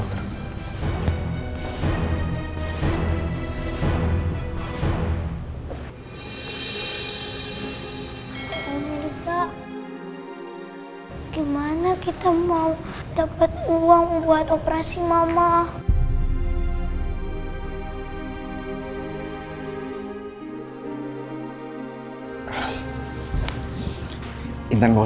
tenang dulu gua